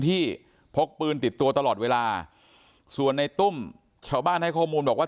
พกปืนติดตัวตลอดเวลาส่วนในตุ้มชาวบ้านให้ข้อมูลบอกว่า